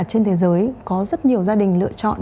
trên thế giới có rất nhiều gia đình lựa chọn